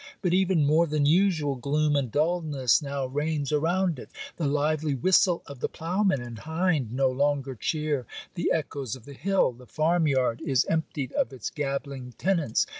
But even more than usual gloom and dulness now reigns around it. The lively whistle of the ploughman and hind no longer chear the echoes of the hill. The farm yard is emptied of its gabbling tenants.